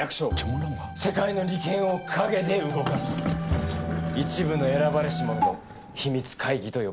世界の利権を陰で動かす一部の選ばれし者の秘密会議と呼ばれている。